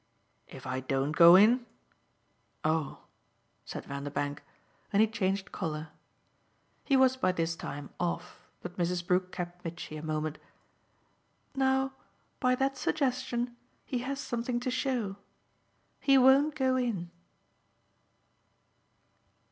"If I don't go in? Oh!" said Vanderbank. And he changed colour. He was by this time off, but Mrs. Brook kept Mitchy a moment. "Now by that suggestion he has something to show. He won't go in."